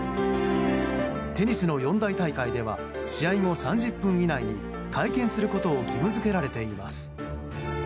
テニスの四大大会では試合後３０分以内に会見することを義務付けられています。